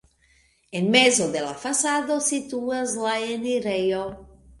En mezo de la fasado situas la enirejo.